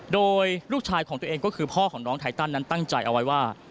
โดยลูกชายของตัวเองก็คือพ่อของน้องไทตันนั้นตั้งใจเอาไว้ว่า